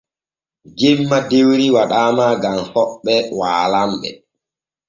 Jemma dewri waɗaama gam hoɓɓe waalanɓe.